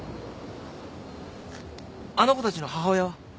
あの子たちの母親は？